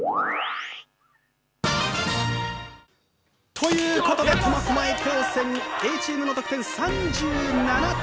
ということで苫小牧高専Ａチームの得点３７点。